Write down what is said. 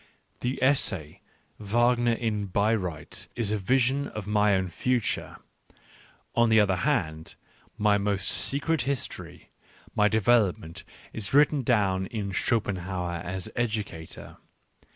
The essay Wagner in Bayreuth is a vision of my own future ; on the other hand, my most secret history, my develop ment, is written down in Schopenhauer as Educator.